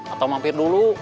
atau mampir dulu